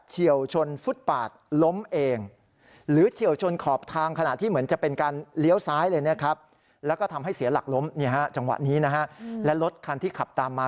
เห็นไหมครับเขาขับมาเร็วเหมือนกัน